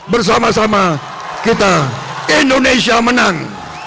bersama sama kita indonesia menang